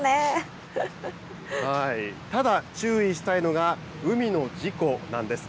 ただ、注意したいのが海の事故なんです。